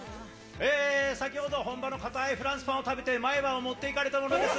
先ほど、本場の堅いフランスパンを食べて、前歯を持っていかれた上田です。